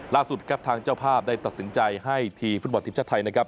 ล่าสุดครับทางเจ้าภาพได้ตัดสินใจให้ทีมฟุตบอลทีมชาติไทยนะครับ